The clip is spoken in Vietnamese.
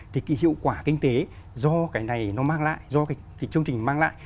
thì cái hiệu quả kinh tế do cái này nó mang lại do cái chương trình mang lại